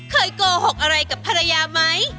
เคยโกหกอะไรกับพระยาไหม